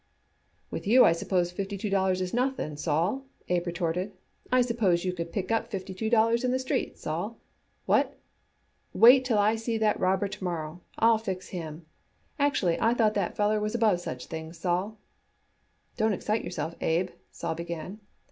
"With you I suppose fifty two dollars is nothing, Sol?" Abe retorted. "I suppose you could pick up fifty two dollars in the streets, Sol. What? Wait till I see that robber to morrow. I'll fix him. Actually, I thought that feller was above such things, Sol." "Don't excite yourself, Abe," Sol began.